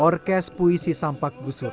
orkes puisi sampak gusuran